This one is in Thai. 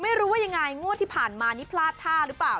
ไม่รู้ว่ายังไงงวดที่ผ่านมานี่พลาดท่าหรือเปล่า